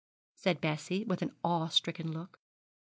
said Bessie, with an awe stricken look.